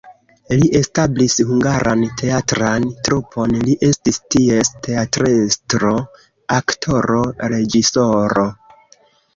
Li establis hungaran teatran trupon, li estis ties teatrestro, aktoro, reĝisoro.